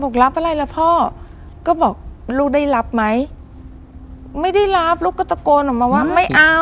รับอะไรล่ะพ่อก็บอกลูกได้รับไหมไม่ได้รับลูกก็ตะโกนออกมาว่าไม่เอา